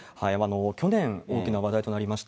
去年、大きな話題となりました